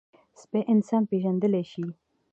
سپي انسان پېژندلی شي.